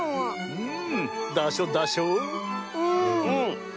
うん。